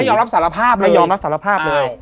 ยอมรับสารภาพเลยยอมรับสารภาพเลย